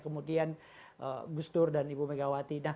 kemudian gus dur dan ibu megawati